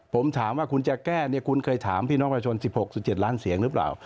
ผมถามว่าคุณจะแก้เนี่ยคุณเคยถามพี่น้องประชาชน๑๖๑๗ล้านเสียงหรือเปล่า